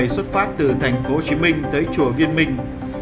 được phát từ tp hcm tới chùa viên minh